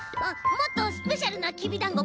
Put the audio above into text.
もっとスペシャルなきびだんご